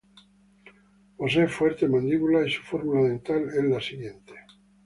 Posee fuertes mandíbulas, y su fórmula dental es la siguiente:.